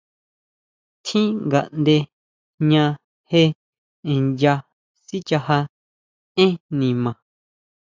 Tjín ngaʼnde jña je nya sichaja énn nima.